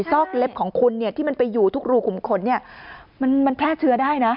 ซอกเล็บของคุณเนี่ยที่มันไปอยู่ทุกรูขุมขนเนี่ยมันแพร่เชื้อได้นะ